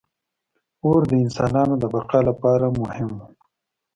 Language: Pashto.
• اور د انسانانو د بقا لپاره مهم و.